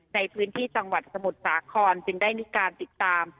ในพื้นที่จังหวัดสมุทรสาครจึงได้มีการติดตาม